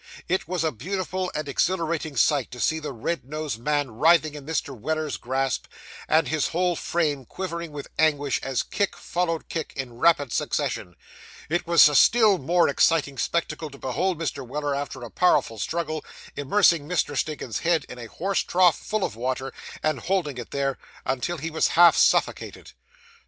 It was a beautiful and exhilarating sight to see the red nosed man writhing in Mr. Weller's grasp, and his whole frame quivering with anguish as kick followed kick in rapid succession; it was a still more exciting spectacle to behold Mr. Weller, after a powerful struggle, immersing Mr. Stiggins's head in a horse trough full of water, and holding it there, until he was half suffocated.